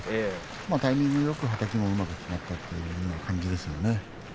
タイミングよくはたきも決まったという感じです。